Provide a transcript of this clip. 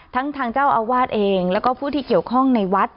ทางเจ้าอาวาสเองแล้วก็ผู้ที่เกี่ยวข้องในวัด